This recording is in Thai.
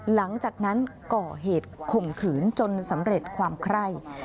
หลังจากนั้นก่อเหตุข่มขืนจนสำเร็จความไคร่